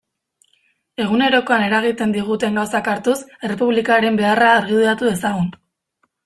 Egunerokoan eragiten diguten gauzak hartuz, Errepublikaren beharra argudiatu dezagun.